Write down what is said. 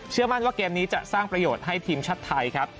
มั่นว่าเกมนี้จะสร้างประโยชน์ให้ทีมชาติไทยครับ